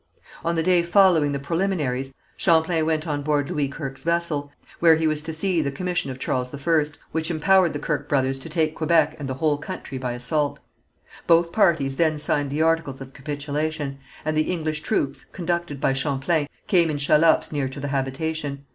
On the day following the preliminaries, Champlain went on board Louis Kirke's vessel, where he was to see the commission of Charles I, which empowered the Kirke brothers to take Quebec and the whole country by assault. Both parties then signed the articles of capitulation, and the English troops, conducted by Champlain, came in shallops near to the habitation.